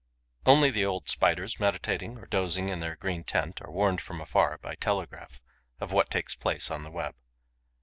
Only the old Spiders, meditating or dozing in their green tent, are warned from afar, by telegraph, of what takes place on the web.